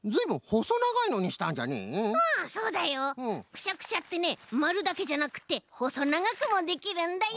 くしゃくしゃってねまるだけじゃなくてほそながくもできるんだよ！